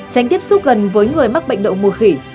tránh tiếp xúc gần với người mắc bệnh đậu mùa khỉ